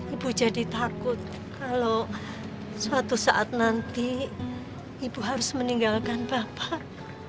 ibu jadi takut kalau suatu saat nanti ibu harus meninggalkan bapak